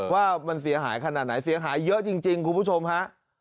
ว่ามันเสียหายขนาดไหนเสียหายเยอะจริงคุณผู้ชมฮะ